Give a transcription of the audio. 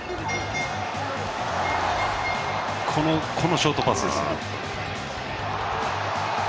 このショートパスですね。